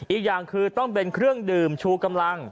อีกอย่างคือต้องเป็นเครื่องดื่มชูกำลัง